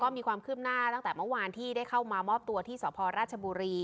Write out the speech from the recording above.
มีความคืบหน้าตั้งแต่เมื่อวานที่ได้เข้ามามอบตัวที่สพราชบุรี